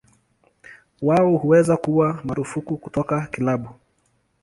Wao huweza kuwa marufuku kutoka kilabu.